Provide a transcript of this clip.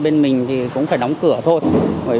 để giúp đỡ các người